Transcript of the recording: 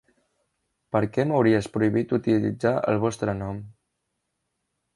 Perquè m'hauries prohibit utilitzar el vostre nom.